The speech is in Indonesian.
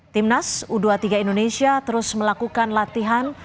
timnas u dua puluh tiga indonesia terus melakukan latihan